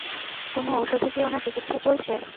কোনো ঔষধে কি ওনার চিকিৎসা চলছে?